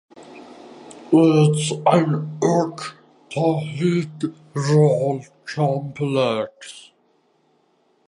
It is an octahedral complex.